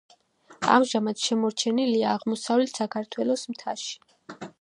ამჟამად შემორჩენილია აღმოსავლეთ საქართველოს მთაში.